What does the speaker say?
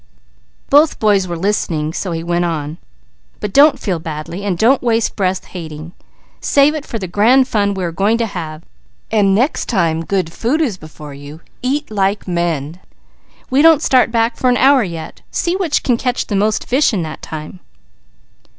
Both boys were listening, so he went on: "But don't feel badly, and don't waste breath hating. Save it for the grand fun we are going to have, and next time good food is before you, eat like men. We don't start back for an hour yet; see which can catch the most fish in that time."